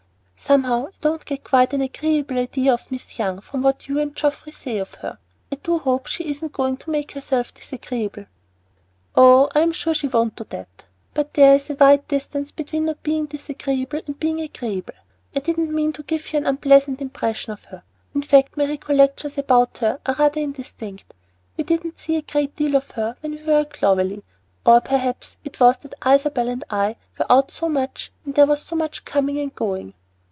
"Somehow I don't get quite an agreeable idea of Miss Young from what you and Geoffrey say of her. I do hope she isn't going to make herself disagreeable." "Oh, I'm sure she won't do that; but there is a wide distance between not being disagreeable and being agreeable. I didn't mean to give you an unpleasant impression of her. In fact, my recollections about her are rather indistinct. We didn't see a great deal of her when we were at Clovelly, or perhaps it was that Isabel and I were out so much and there was so much coming and going."